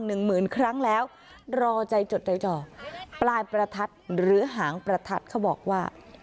หนึ่งหมื่นครั้งแล้วรอใจจดใจจ่อปลายประทัดหรือหางประทัดเขาบอกว่า